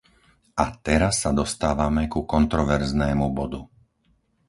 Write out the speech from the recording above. A teraz sa dostávame ku kontroverznému bodu.